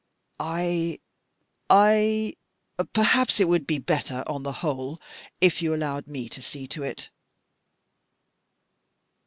" I — I — perhaps it would be better, on the whole, if you allowed me to see to it."